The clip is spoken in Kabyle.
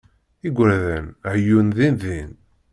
Igerdan ɛeyyun dindin.